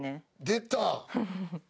出た！